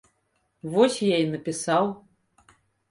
Вось я і напісаў.